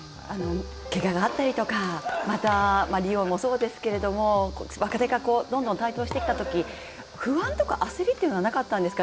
けががあったりとか、またリオもそうですけど、若手がどんどん台頭してきたとき、不安とか焦りはなかったんですか。